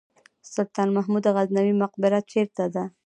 سلطان محمود غزنوي مقبره چیرته ده؟